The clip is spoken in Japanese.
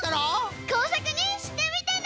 こうさくにしてみてね！